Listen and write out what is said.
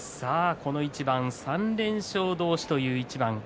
この一番３連勝同士という一番。